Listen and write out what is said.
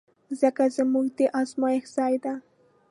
مځکه زموږ د ازمېښت ځای ده.